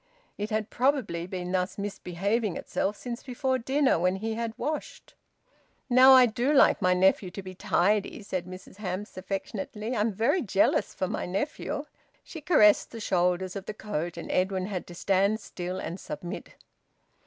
It had probably been thus misbehaving itself since before dinner, when he had washed. "Now, I do like my nephew to be tidy," said Mrs Hamps affectionately. "I'm very jealous for my nephew." She caressed the shoulders of the coat, and Edwin had to stand still and submit.